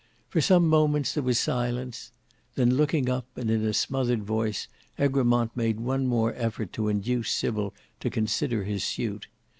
For some moments there was silence; then looking up and in a smothered voice Egremont made one more effort to induce Sybil to consider his suit.